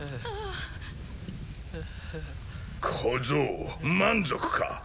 小僧満足か？